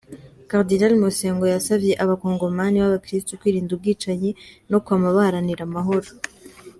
Kardinali Mosengwo yasavye abakongomani b'abakristu kwirinda ubwicanyi no kwama baharanira amahoro.